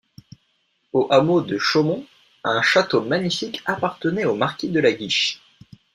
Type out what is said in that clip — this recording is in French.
Au hameau de Chaumont, un château magnifique appartenait au marquis de La Guiche.